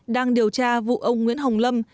đang điều tra vụ ông nguyễn hồng lâm